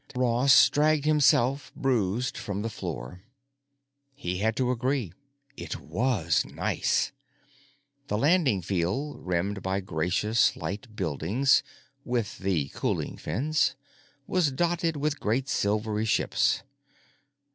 Ross dragged himself, bruised, from the floor. He had to agree. It was nice. The landing field, rimmed by gracious, light buildings (with the cooling fins), was dotted with great, silvery ships.